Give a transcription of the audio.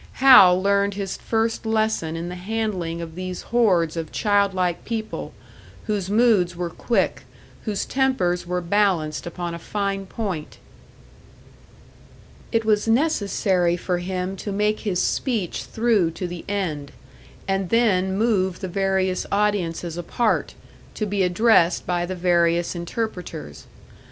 Hal learned his first lesson in the handling of these hordes of child like people, whose moods were quick, whose tempers were balanced upon a fine point. It was necessary for him to make his speech through to the end, and then move the various audiences apart, to be addressed by the various interpreters.